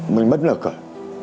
mình mất lực rồi